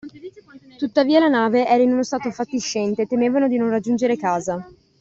Tuttavia la nave era in uno stato fatiscente, e temevano di non raggiungere casa.